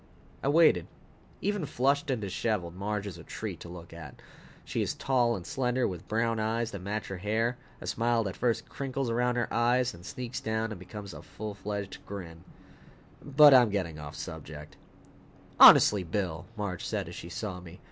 I waited. Even flushed and disheveled, Marge is a treat to look at. She is tall and slender, with brown eyes that match her hair, a smile that first crinkles around her eyes, then sneaks down and becomes a full fledged grin But I'm getting off the subject. "Honestly, Bill!" Marge said as she saw me.